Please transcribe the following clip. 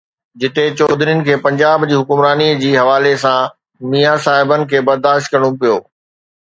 جتي چوڌرين کي پنجاب جي حڪمرانيءَ جي حوالي سان ميان صاحبن کي برداشت ڪرڻو پيو.